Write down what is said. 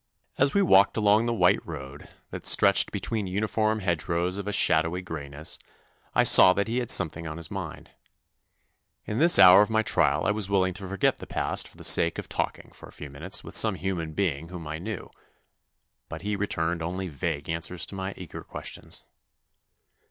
As we walked along the white road, that stretched between uniform hedgerows of a shadowy greyness, I saw that he had something on his mind. In this hour of my trial 1 was willing to forget the past for the sake of talking for a few minutes with some human being whom I knew, but he returned only vague answers to 54 THE NEW BOY my eager questions.